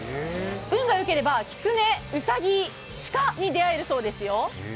運がよければ、きつね、うさぎ、鹿に出会えるそうですよ。